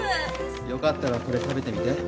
よかったらこれ食べてみて。